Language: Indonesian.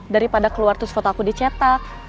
daripada keluar terus foto aku dicetak